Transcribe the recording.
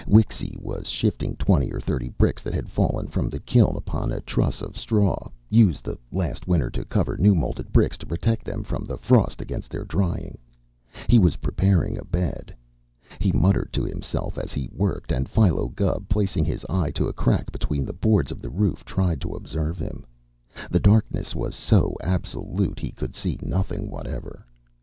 Wixy was shifting twenty or thirty bricks that had fallen from the kiln upon a truss of straw, used the last winter to cover new moulded bricks to protect them from the frost against their drying. He was preparing a bed. He muttered to himself as he worked, and Philo Gubb, placing his eye to a crack between the boards of the roof, tried to observe him. The darkness was so absolute he could see nothing whatever.